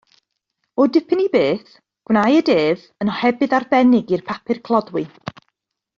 O dipyn i beth, gwnaed ef yn ohebydd arbennig i'r papur clodwiw.